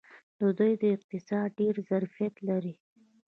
د دوی اقتصاد ډیر ظرفیت لري.